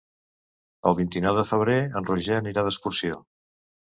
El vint-i-nou de febrer en Roger anirà d'excursió.